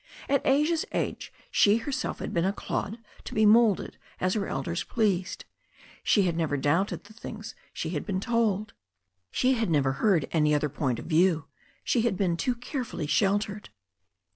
At Asia's iage she herself had been a clod to be moulded as her elders pleased. She had never doubted the things she had been told. She had never heard any other point of view; she had been too carefully sheltered.